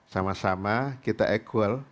sama sama kita equal